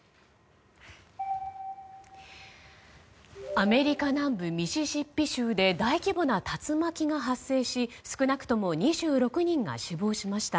アメリカ南部ミシシッピ州で大規模な竜巻が発生し少なくとも２６人が死亡しました。